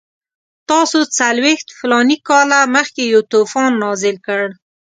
تاسو څلوېښت فلاني کاله مخکې یو طوفان نازل کړ.